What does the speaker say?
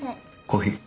コーヒー。